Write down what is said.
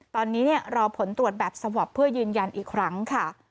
ตอนนี้รอผลตรวจแบบสวอปเพื่อยืนยันอีกครั้งค่ะ